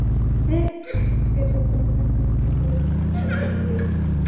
সে সব গহনা বিক্রি করে নগদ টাকা উড়িয়েছে।